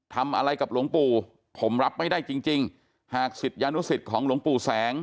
ทำอะไรกับหลวงปู่ผมรับไม่ได้จริงจริงหากศิษยานุสิตของหลวงปู่แสง